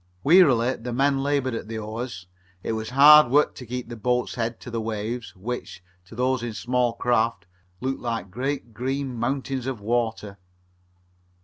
Wearily the men labored at the oars. It was hard work to keep the boats' heads to the waves, which, to those in the small craft, looked like great green mountains of water.